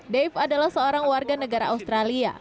dave adalah seorang warga negara australia